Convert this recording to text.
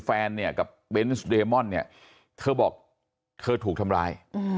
แฟนเนี่ยกับเบนส์เดมอนเนี่ยเธอบอกเธอถูกทำร้าย